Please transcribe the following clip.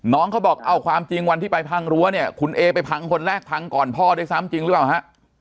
น้องเขาบอกเอาความจริงวันที่ไปพังรั้วเนี่ยคุณเอไปพังคนแรกพังก่อนพ่อด้วยซ้ำจริงหรือเปล่าฮะ